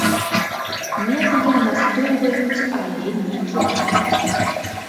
Медыя настойваюць, але не кідаюцца.